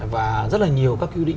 và rất là nhiều các quy định